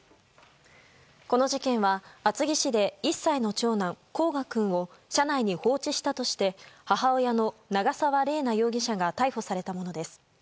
この事件は、厚木市で１歳の長男・煌翔君を車内に放置したとして母親の長沢麗奈容疑者が逮捕されたものです。